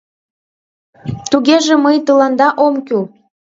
Тугеже мый тыланда ом кӱл?!